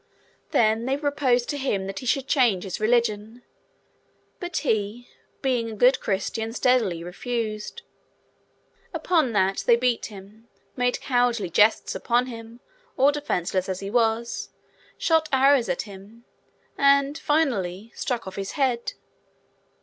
Then, they proposed to him that he should change his religion; but he, being a good Christian, steadily refused. Upon that, they beat him, made cowardly jests upon him, all defenceless as he was, shot arrows at him, and, finally, struck off his head.